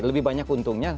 lebih banyak untungnya